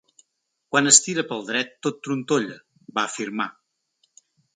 Quan es tira pel dret, tot trontolla, va afirmar.